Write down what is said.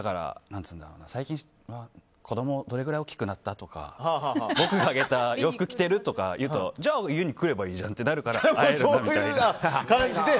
最近子供どれぐらい大きくなった？とか僕があげた洋服着ている？とか聞くとじゃあ家に来ればいいじゃんってなるから。